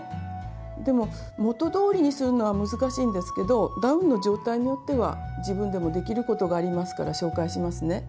でも元どおりにするのは難しいですけどダウンの状態によっては自分でもできることがありますから紹介しますね。